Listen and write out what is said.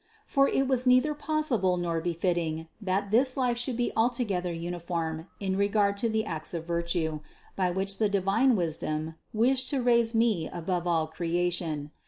For it was neither possible nor be fitting, that this life should be altogether uniform in re gard to the acts of virtue, by which the divine Wisdom wished to raise me above all creation.